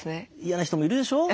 嫌な人もいるでしょう。